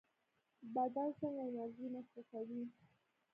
بدن څنګه انرژي مصرفوي؟